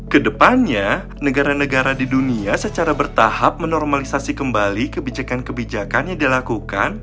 kedepannya negara negara di dunia secara bertahap menormalisasi kembali kebijakan kebijakan yang dilakukan